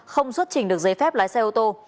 không xuất trình được giấy phép lái xe ô tô